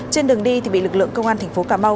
trên đường đi thì bị lực lượng công an tp cà mau